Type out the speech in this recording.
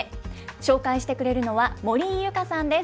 紹介してくれるのは、森井ユカさんです。